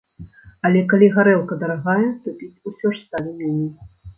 Але калі гарэлка дарагая, то піць усё ж сталі меней.